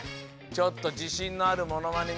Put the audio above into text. ちょっとじしんのあるモノマネ